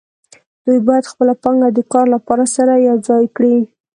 دوی باید خپله پانګه د کار لپاره سره یوځای کړي